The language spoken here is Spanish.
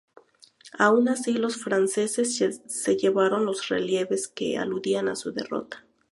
Aun así, los franceses se llevaron los relieves que aludían a su derrota.